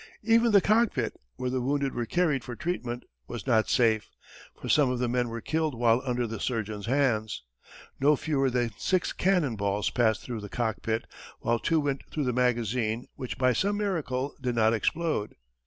Even the cockpit, where the wounded were carried for treatment, was not safe, for some of the men were killed while under the surgeon's hands. No fewer than six cannon balls passed through the cockpit, while two went through the magazine, which, by some miracle, did not explode.